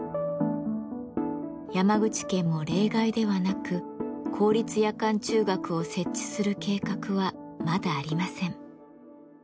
山口県も例外ではなく公立夜間中学を設置する計画はまだありません。